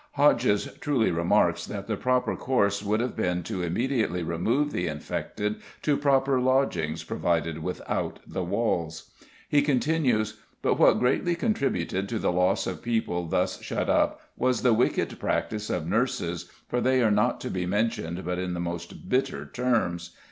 Hodges truly remarks that the proper course would have been to immediately remove the infected to proper lodgings provided without the walls. He continues: "But what greatly contributed to the loss of people thus shut up was the wicked practice of nurses (for they are not to be mentioned but in the most bitter terms).